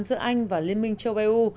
giữa anh và liên minh châu âu